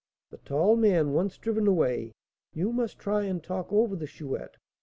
The tall man once driven away, you must try and talk over the Chouette.